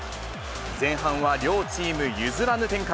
前半は両チーム譲らぬ展開。